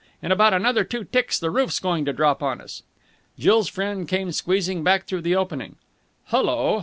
In about another two ticks the roof's going to drop on us." Jill's friend came squeezing back through the opening. "Hullo!